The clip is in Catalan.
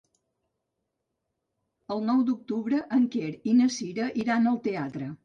El nou d'octubre en Quer i na Cira iran al teatre.